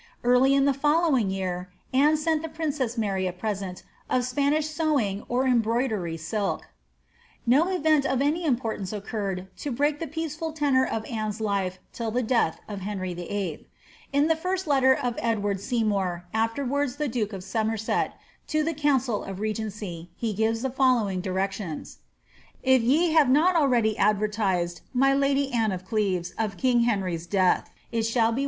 Early in the following year Anne sent the princess Maij a present of Spanish sewing or embroidery silk.' No event of any importance occurred to break the peaceful tenor of Anne's life till tlie death of Henry VIII. In the first letter of Edward Seymour (afterwards the duke of Somerset) to the council of regency, he gives the following directions:' ^^ If ye have not already advertised my lady Anne of Cleves of king Henry's death, it shall be well done if ye send some express person for the same."